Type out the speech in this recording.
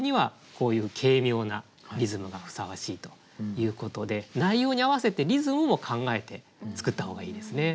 こういう軽妙なリズムがふさわしいということで内容に合わせてリズムも考えて作った方がいいですね。